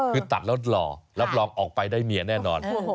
คือตัดแล้วหล่อรับรองออกไปได้เมียแน่นอน